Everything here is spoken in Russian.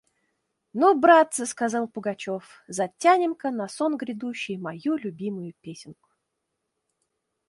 «Ну, братцы, – сказал Пугачев, – затянем-ка на сон грядущий мою любимую песенку.